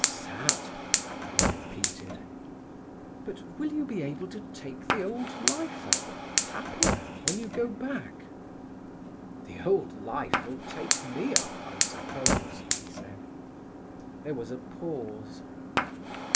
"Sad!" he repeated. "But will you be able to fake the old life up, happier, when you go back?" "The old life will take me up, I suppose," he said. There was a pause.